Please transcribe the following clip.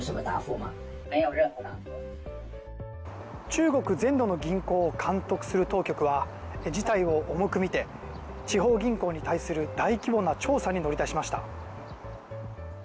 中国全土の銀行を監督する当局は事態を重く見て地方銀行に対する大規模な調査に乗り出しました。